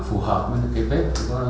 phù hợp với cái vết